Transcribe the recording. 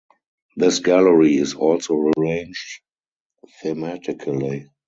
This gallery is also arranged thematically.